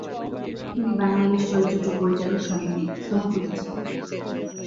তিনি বাংলাদেশ চলচ্চিত্র পরিচালক সমিতির সভাপতি ছিলেন।